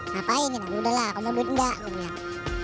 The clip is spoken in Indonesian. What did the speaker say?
ngapain udah lah kamu duit enggak gue bilang